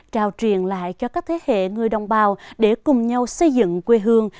trao truyền lại cho các thế hệ người đồng bào để cùng nhau xây dựng quê hương